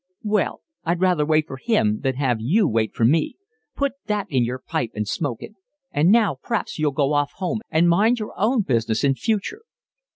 "Well, I'd rather wait for him than have you wait for me. Put that in your pipe and smoke it. And now p'raps you'll go off home and mind your own business in future."